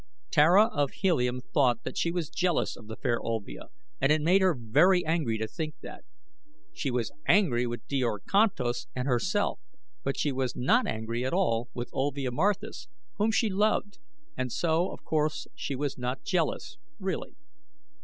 Tara of Helium thought that she was jealous of the fair Olvia and it made her very angry to think that. She was angry with Djor Kantos and herself, but she was not angry at all with Olvia Marthis, whom she loved, and so of course she was not jealous really.